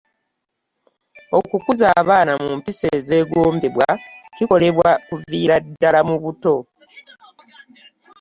Okukuza abaana mu mpisa ezeegombebwa kikolebwa kuviira ddala mu buto.